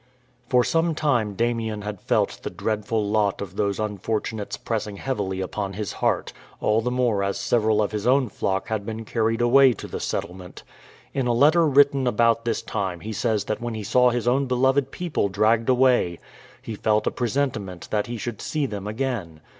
For some time Damien had felt the dreadful lot of those unfortunates pressing heavily upon his heart, all the more as several of his own flock had been carried away to the settlement. In a letter written about this time he says that when he saw his own beloved people dragged away, he felt a presentiment that he should see them again.